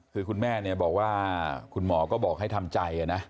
คือคุณแม่เนี่ยบอกว่าคุณหมอก็บอกให้ทำใจนะ